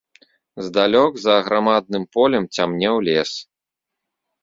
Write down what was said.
Здалёк за аграмадным полем цямнеў лес.